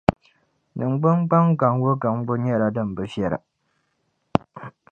Nin gbungbaŋ gaŋbu gaŋbu nyɛla din bi viɛla.